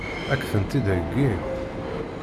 Ad k-tent-id-heggint?